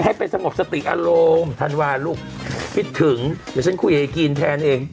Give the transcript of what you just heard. ให้เป็นสงบสติอารมณ์ธันวานลูกพิษถึงเดี๋ยวฉันคุยให้กินแทนเอง